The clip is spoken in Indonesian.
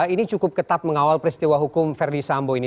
ini cukup ketat mengawal peristiwa hukum verdi sambo ini